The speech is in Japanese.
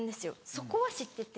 そこは知ってて。